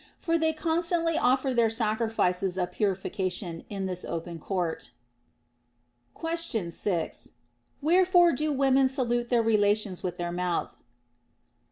For they con stantly offer their sacrifices of purification in this open court. Question 6. Wherefore do women salute their relations with their mouth